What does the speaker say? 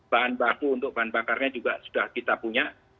bahan baku untuk bahan bakarnya juga sudah kita punya